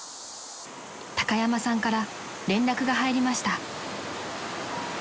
［高山さんから連絡が入りました］